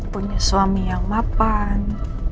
punya suami yang mapan